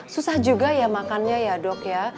susah juga ya makannya ya dok ya